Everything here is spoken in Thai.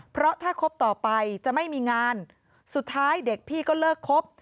เพราะถ้าคบต่อไปจะไม่มีงานสุดท้ายเด็กพี่ก็เลิกครบ